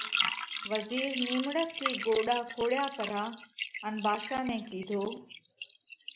وزِير نِيمڙت ٿِي ڳوڏا کوڙيا پرا ان ڀاڌشا نئہ ڪِيڌو: